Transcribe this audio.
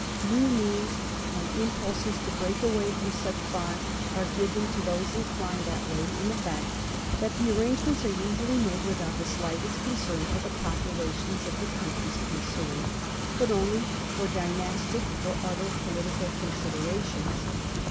New means and im pulses to break away from such bonds are given to those inclined that way in the fiict that the arrange ments are usually made without the slightest con cern for the populations of the countries concerned, but only for dynastic or other political considerations.